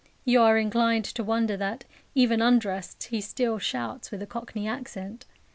You are inclined to wonder that, even undressed, he still shouts with a Cockney accent.